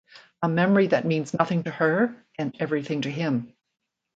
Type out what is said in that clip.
A memory that means nothing to her and everything to him.